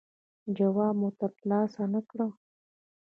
جواب مو ترلاسه نه کړ.